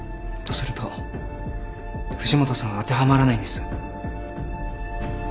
とすると藤本さんは当てはまらないんです。